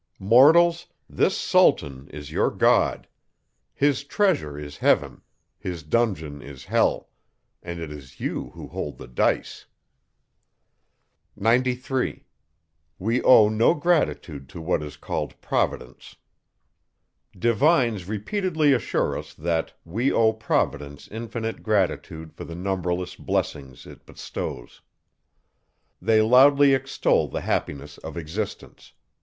Mortals! this SULTAN is your GOD; his TREASURE IS HEAVEN; his DUNGEON IS HELL, and it is you who hold the DICE! 93. Divines repeatedly assure us, that we owe Providence infinite gratitude for the numberless blessings it bestows. They loudly extol the happiness of existence.